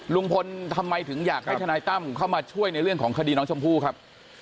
ลุงพลทำไมถึงอยากให้ทนายตั้มเข้ามาช่วยในเรื่องของคดีน้องชมพู่ครับ